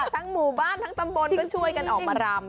หมู่บ้านทั้งตำบลก็ช่วยกันออกมารำ